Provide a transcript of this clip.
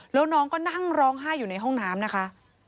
แล้วน้องก็นั่งร้องไห้อยู่ในห้องน้ำนะคะ